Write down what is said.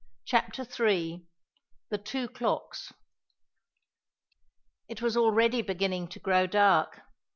CHAPTER III THE TWO CLOCKS It was already beginning to grow dark.